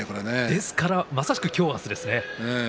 ですから、まさしく今日、明日ですね。